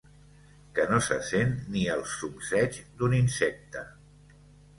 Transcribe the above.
Que no se sent ni el zumzeig d'un insecte.